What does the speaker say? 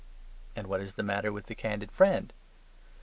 And what is the matter with the candid friend?